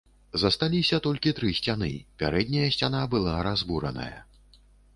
Засталіся толькі тры сцяны, пярэдняя сцяна была разбураная.